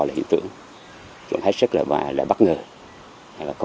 phạt còn chưa vô